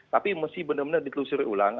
tapi mesti benar benar ditelusuri ulang